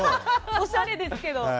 おしゃれですけど。